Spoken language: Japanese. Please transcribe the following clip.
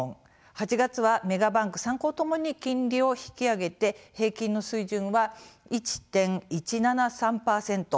８月は、メガバンク３行ともに金利を引き上げて平均の水準は１．１７３％。